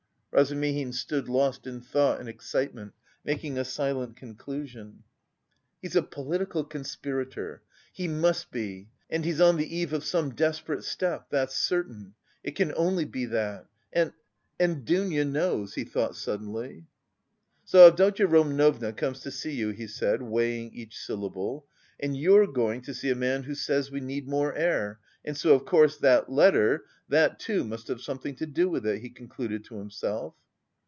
Razumihin stood lost in thought and excitement, making a silent conclusion. "He's a political conspirator! He must be. And he's on the eve of some desperate step, that's certain. It can only be that! And... and Dounia knows," he thought suddenly. "So Avdotya Romanovna comes to see you," he said, weighing each syllable, "and you're going to see a man who says we need more air, and so of course that letter... that too must have something to do with it," he concluded to himself.